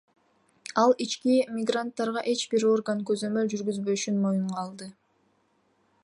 Ал ички мигранттарга эч бир орган көзөмөл жүргүзбөшүн моюнга алды.